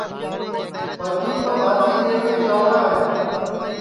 پردیپ تو بھاجی لئوٹؔے گئیوڑا ہے